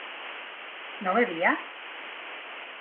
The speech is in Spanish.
¿no bebía?